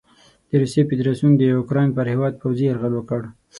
د روسیې فدراسیون د اوکراین پر هیواد پوځي یرغل وکړ.